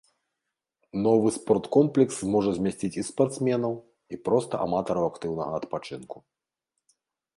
Новы спорткомплекс зможа змясціць і спартсменаў, і проста аматараў актыўнага адпачынку.